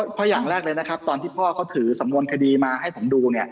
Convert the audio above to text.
เพราะอย่างแรกเลยนะครับตอนที่พ่อเขาถือสำนวนคดีมาให้ผมดู